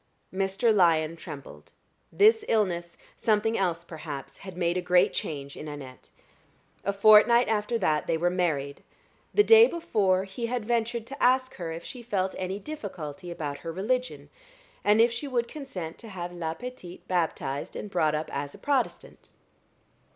Mr. Lyon trembled. This illness something else, perhaps had made a great change in Annette. A fortnight after that they were married. The day before he had ventured to ask her if she felt any difficulty about her religion, and if she would consent to have la petite baptized and brought up as a Protestant.